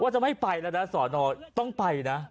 จะไม่ไปแล้วนะสอนอต้องไปนะ